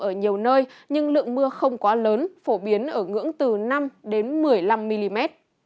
ở nhiều nơi nhưng lượng mưa không quá lớn phổ biến ở ngưỡng từ năm một mươi năm mm